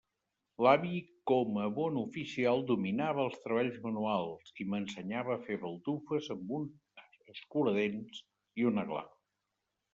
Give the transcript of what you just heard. L'avi com a bon oficial, dominava els treballs manuals, i m'ensenyava a fer baldufes amb un escuradents i una gla.